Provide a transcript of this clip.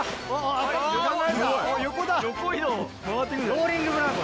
ローリングブランコ。